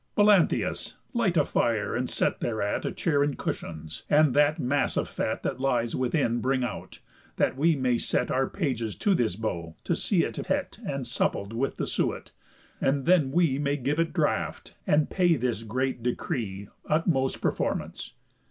Melanthius! Light a fire, and set thereat A chair and cushions, and that mass of fat That lies within bring out, that we may set Our pages to this bow, to see it het And suppled with the suet, and then we May give it draught, and pay this great decree Utmost performance."